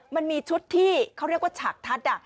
มันมีชุดที่เขาเรียกว่าฉากทัศน์